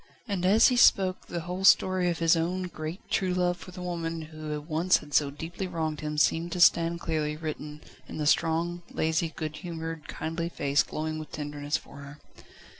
And as he spoke the whole story of his own great, true love for the woman who once had so deeply wronged him seemed to stand clearly written in the strong, lazy, good humoured, kindly face glowing with tenderness for her.